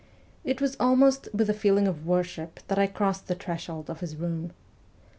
It was with almost a feeling of worship that I crossed the threshold of his room.